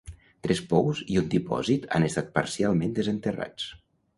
Tres pous i un dipòsit han estat parcialment desenterrats.